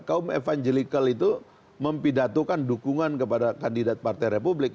kaum evangelical itu mempidatukan dukungan kepada kandidat partai republik